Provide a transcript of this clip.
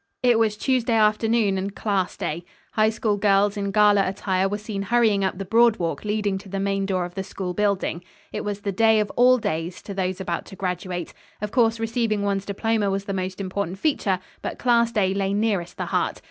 It was Tuesday afternoon and class day. High School girls in gala attire were seen hurrying up the broad walk leading to the main door of the school building. It was the day of all days, to those about to graduate. Of course, receiving one's diploma was the most important feature, but class day lay nearest the heart.